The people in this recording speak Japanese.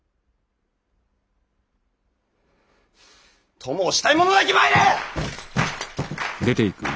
供をしたい者だけ参れ！